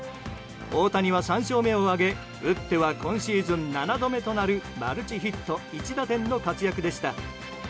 大谷は３勝目を挙げ打っては今シーズン７度目となるマルチヒット１打点の活躍でした。